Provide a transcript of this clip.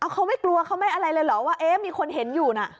เขาไม่กลัวเขาไม่อะไรเลยเหรอว่าเอ๊ะมีคนเห็นอยู่น่ะ